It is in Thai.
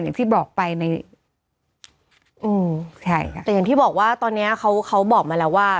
อย่างที่บอกไปในอืมใช่ค่ะแต่อย่างที่บอกว่าตอนเนี้ยเขาเขาบอกมาแล้วว่า